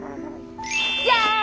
じゃん！